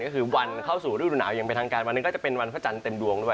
ก็คือวันเข้าสู่ฤดูหนาวอย่างเป็นทางการวันหนึ่งก็จะเป็นวันพระจันทร์เต็มดวงด้วย